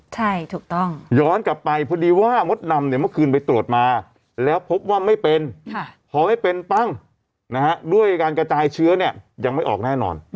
ใช่ถูกต้องย้อนกลับไปพอดีว่ามดดำเนี่ยเมื่อคืนไปตรวจมาแล้วพบว่าไม่เป็นพอไม่เป็นปั้งนะฮะด้วยการกระจายเชื้อเนี่ยยังไม่ออกแน่นอน